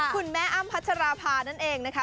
คุณแม่อ้ำพัชราภานั่นเองนะคะ